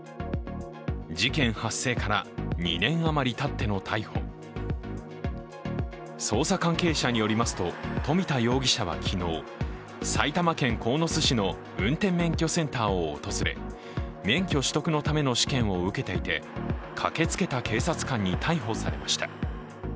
事件発生から２年余りたっての逮捕捜査関係者によりますと、富田容疑者は昨日、埼玉県鴻巣市の運転免許センターを訪れ、免許取得のための試験を受けていて駆けつけた警察官に逮捕されました。